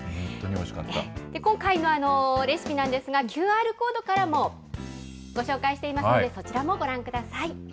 今回のあのレシピなんですが、ＱＲコードからもご紹介していますので、そちらもご覧ください。